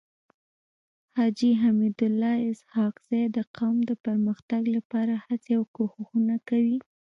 حاجي حميدالله اسحق زی د قوم د پرمختګ لپاره هڅي او کوښښونه کوي.